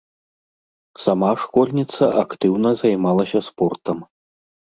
Сама школьніца актыўна займалася спортам.